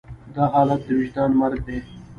دا حالت د وجدان مرګ دی.